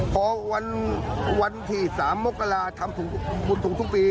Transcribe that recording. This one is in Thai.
พอวันที่๓มกราทำบุญถุงทุกปี